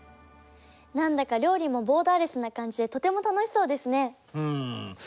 何だか料理もボーダーレスな感じでとても楽しそうですね。